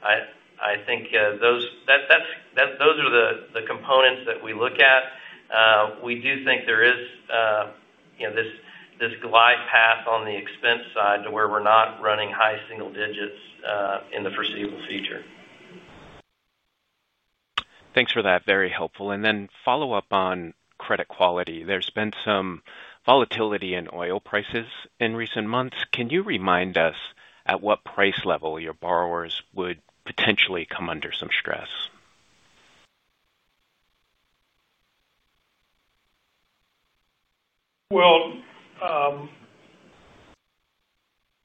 I think those are the components that we look at. We do think there is this glide path on the expense side to where we're not running high single digits in the foreseeable future. Thanks for that. Very helpful. Following up on credit quality, there's been some volatility in oil prices in recent months. Can you remind us at what price level your borrowers would potentially come under some stress?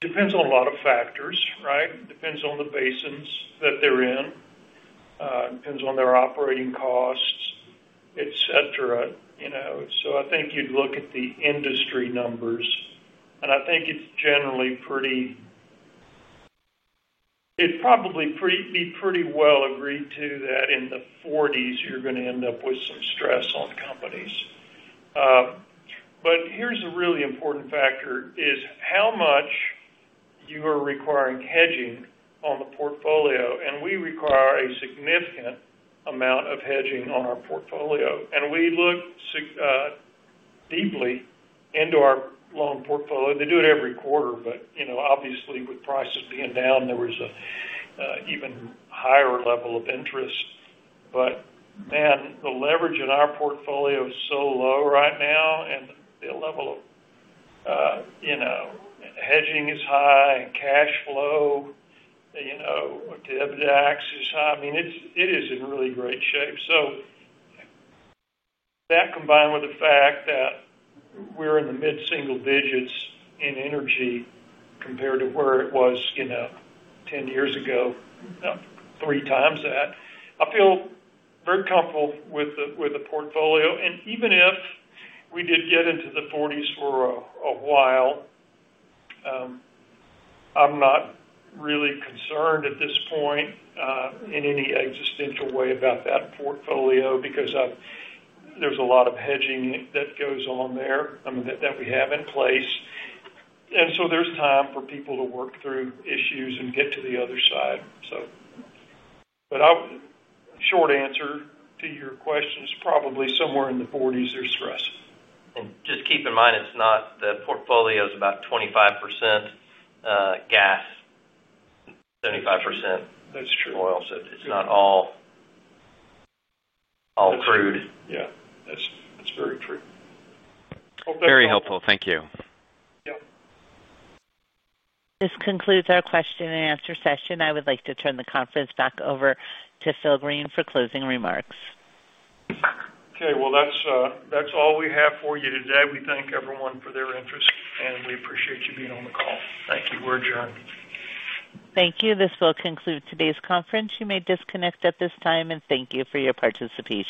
Depends on a lot of factors, right? Depends on the basins that they're in, depends on their operating costs, et cetera. You know, so I think you'd look at the industry numbers, and I think it's generally pretty— it would probably be pretty well agreed to that in the $40s you're going to end up with some stress on companies. Here's a really important factor: how much you are requiring hedging on the portfolio. We require a significant amount of hedging on our portfolio, and we look deeply into our loan portfolio. They do it every quarter, but, you know, obviously with prices being down, there was an even higher level of interest. The leverage in our portfolio is so low right now, and the level of hedging is high, and cash flow, you know, EBITDA is high. I mean, it is in really great shape. That combined with the fact that we're in the mid-single digits in energy compared to where it was, you know, 10 years ago, three times that, I feel very comfortable with the portfolio. Even if we did get into the $40s for a while, I'm not really concerned at this point, in any existential way about that portfolio because there's a lot of hedging that goes on there, I mean, that we have in place. There's time for people to work through issues and get to the other side. Short answer to your question is probably somewhere in the $40s there's stress. Just keep in mind it's not the portfolio; it's about 25% gas, 75%. That's true. Oils. It's not all crude. Yeah, that's very true. Okay. Very helpful. Thank you. Yep. This concludes our question-and-answer session. I would like to turn the conference back over to Phil Green for closing remarks. Okay. That's all we have for you today. We thank everyone for their interest, and we appreciate you being on the call. Thank you. We're adjourned. Thank you. This will conclude today's conference. You may disconnect at this time, and thank you for your participation.